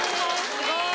すごい。